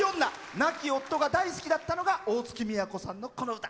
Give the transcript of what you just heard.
亡き夫が大好きだったのが大月みやこさんのこの歌。